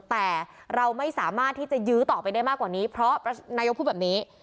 แต่เราไม่สามารถที่จะยื้อต่อไปได้มากกว่านี้เพราะนายกพูดแบบนี้